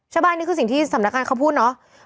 ใช่ไหมนี่คือสิ่งที่สำนักการณ์เขาพูดเนอะ